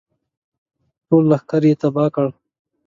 ټول لښکر یې تباه کړل.